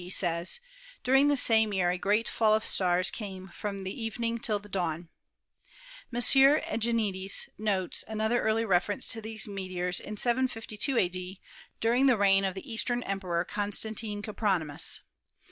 d., says: "During the same year a great fall of stars came from the evening till the dawn." M. Egenitis notes an other early reference to these meteors in 752 a.d., during the reign of the eastern Emperor Constantine Coprony mous.